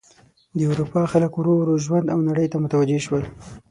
د اروپا خلک ورو ورو ژوند او نړۍ ته متوجه شول.